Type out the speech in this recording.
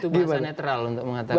itu bahasa netral untuk mengatakan